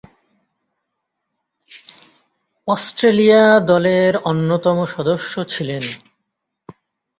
Australia দলের অন্যতম সদস্য ছিলেন।